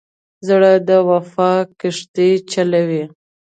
زړه د وفا کښتۍ چلوي.